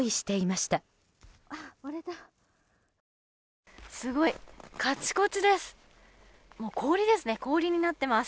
すごい、カチコチです。